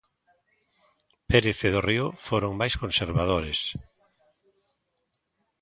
Pérez e Dorrío foron máis conservadores.